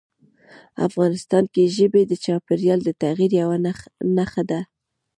افغانستان کې ژبې د چاپېریال د تغیر یوه نښه ده.